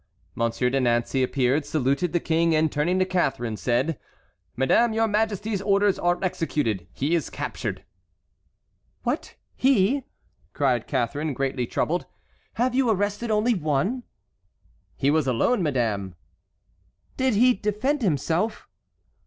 Monsieur de Nancey appeared, saluted the King, and turning to Catharine said: "Madame, your majesty's orders are executed; he is captured." "What he?" cried Catharine, greatly troubled. "Have you arrested only one?" "He was alone, madame." "Did he defend himself?"